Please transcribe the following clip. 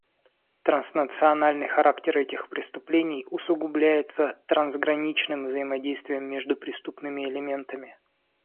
Транснациональный характер этих преступлений усугубляется трансграничным взаимодействием между преступными элементами.